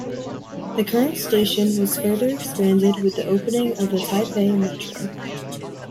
The current station was further expanded with the opening of the Taipei Metro.